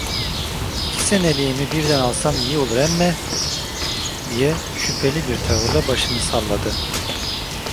"İki seneliğimi birden alsam iyi olur emme!" diye şüpheli bir tavırla başını salladı.